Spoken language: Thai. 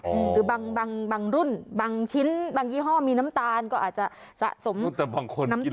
หรือบางรุ่นบางชิ้นบางยี่ห้อมีน้ำตาลก็อาจจะสะสมแต่บางคน